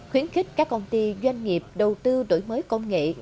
khuyến khích các công ty doanh nghiệp đầu tư đổi mới công nghệ